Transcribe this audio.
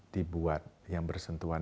dibuat yang bersentuhan